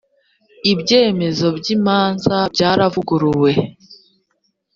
ibyemezo byimanza byaravuguruwe.